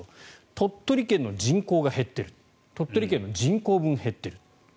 鳥取県の人口が減っている鳥取県の人口分減っている。